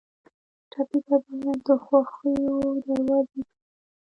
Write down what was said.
ټپي ته باید د خوښیو دروازې پرانیزو.